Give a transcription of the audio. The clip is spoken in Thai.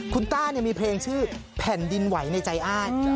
คุณต้ามีเพลงชื่อแผ่นดินไหวในใจอ้าย